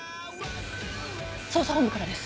捜査本部からです。